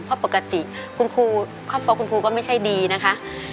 เพราะปกติคุณครูครอบครัวคุณครูก็ไม่ใช่ดีนะคะ